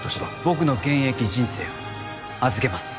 僕の現役人生を預けます